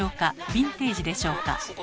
ヴィンテージでしょうか？